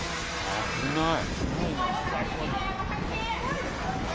危ない。